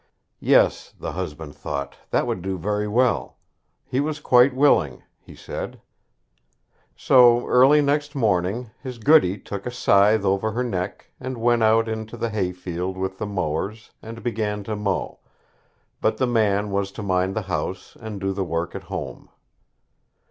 Yes! the husband thought that would do very well. He was quite willing, he said. So, early next morning, his goody took a scythe over her neck, and went out into the hay field with the mowers, and began to mow; but the man was to mind the house, and do the work at home.